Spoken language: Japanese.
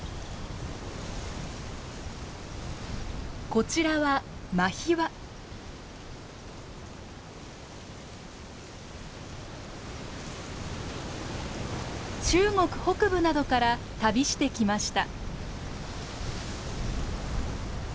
こちらは中国北部などから旅してきました。